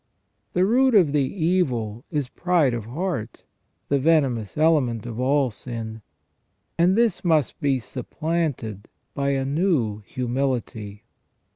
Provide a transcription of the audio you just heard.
The root of the evil is pride of heart, the venomous element of all sin, and this must be supplanted by a new humility.